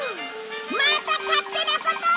また勝手なことを！